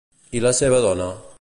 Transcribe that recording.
I la seva dona?